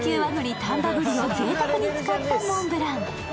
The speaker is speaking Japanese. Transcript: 丹波栗をぜいたくに使ったモンブラン。